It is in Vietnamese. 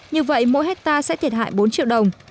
như vậy mỗi hectare sẽ thiệt hại bốn triệu đồng